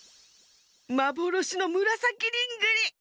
まぼろしのむらさきリングリ！